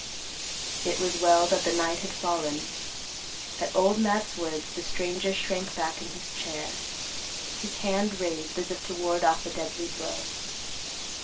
It was well that the night had fallen. At Old Matt's words the stranger shrank back in his chair, his hand raised as if to ward off a deadly blow.